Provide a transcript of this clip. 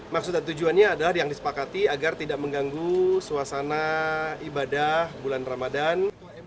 maksud dan tujuannya adalah yang disepakati agar tidak mengganggu suasana ibadah bulan ramadan